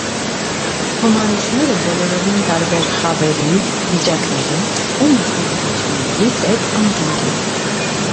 Հումանիստները բոլորովին տարբեր խավերի, վիճակների ու մասնագիտությունների տեր անձինք էին։